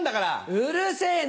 うるせぇな。